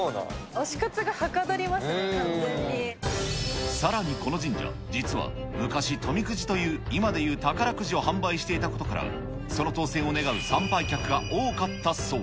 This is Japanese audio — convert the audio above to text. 推し活がはかどりますね、さらにこの神社、実は昔、富くじという今でいう宝くじを販売していたことから、その当せんを願う参拝客が多かったそう。